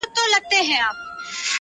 د رڼا لمن خپره سي بیا تیاره سي-